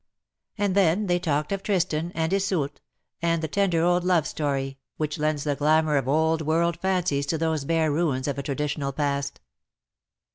And then they talked of Tristan and Iseult_, and the tender okl love story^ which lends the glamour of old world fancies to those bare ruins of a tra ditional past.